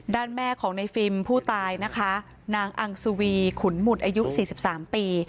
แม่ของในฟิล์มผู้ตายนะคะนางอังสุวีขุนหมุดอายุ๔๓ปี